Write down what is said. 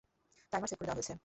Timer set করে দেওয়া হয়েছে।